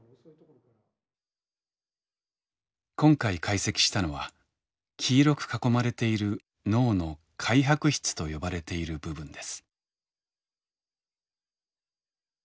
今回解析したのは黄色く囲まれている脳の灰白質と呼ばれている部分です。